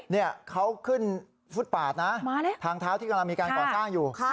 เนี่ยเขาขึ้นฟุตปาดนะทางเท้าที่กำลังมีการก่อสร้างอยู่